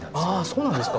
そうなんですか？